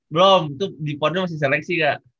belum di ponnya masih seleksi kak